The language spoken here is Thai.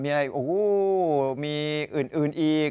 มีอะไรโอ้โหมีอื่นอีก